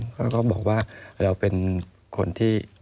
เขาก็บอกว่าเราเป็นคนที่